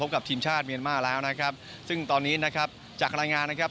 กับทีมชาติเมียนมาแล้วนะครับซึ่งตอนนี้นะครับจากรายงานนะครับ